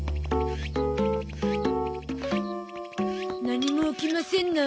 何も起きませんな。